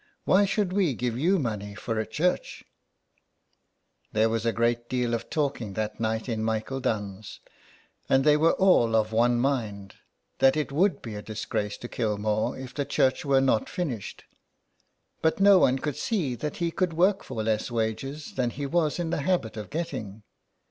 Why should we give you money for a church ?'" There was a great deal of talking that night in Michael Dunne's, and they were all of one mind, that it would be a disgrace to Kilmore if the church were not finished ; but no one could see that he could work for less wages than he was in the habit of get ting.